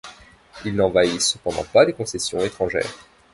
Ils n'envahissent cependant pas les concessions étrangères.